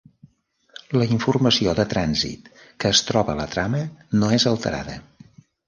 La informació de trànsit que es troba a la trama no és alterada.